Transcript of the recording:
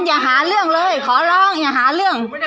อย่าหาเรื่องเลยขอร้องอย่าหาเรื่องไม่ได้หาเรื่อง